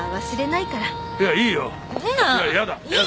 いややだ！